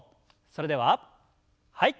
それでははい。